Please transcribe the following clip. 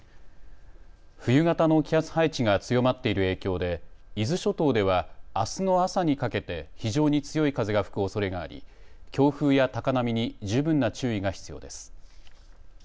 冬型の気圧配置が強まっている影響で伊豆諸島ではあすの朝にかけて非常に強い風が吹くおそれがあり強風や高波に十分な注意が必要です。